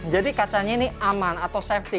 jadi kacanya ini aman atau safety